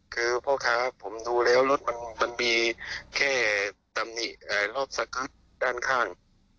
คือพ่อค้าผมดูแล้วรถมันมีแค่ตำหนิรอบสกัดด้านข้าง